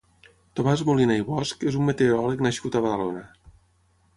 Tomàs Molina i Bosch és un meteoròleg nascut a Badalona.